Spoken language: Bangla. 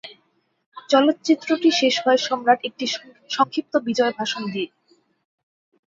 চলচ্চিত্রটি শেষ হয় সম্রাট একটি সংক্ষিপ্ত বিজয় ভাষণ দিয়ে।